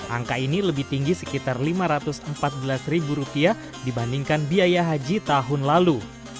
angka ini lebih tinggi sekitar rp lima ratus empat belas dibandingkan biaya haji tahun lalu